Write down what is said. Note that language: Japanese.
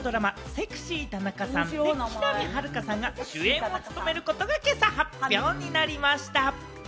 『セクシー田中さん』で木南晴夏さんが主演を務めることが今朝発表になりました。